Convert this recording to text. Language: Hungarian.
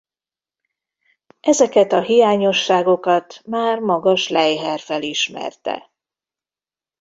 Ezeket a hiányosságokat már maga Schleicher felismerte.